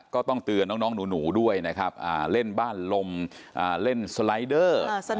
ก็ต้องเตือนน้องหนูด้วยนะครับเล่นบ้านลมเล่นสไลเดอร์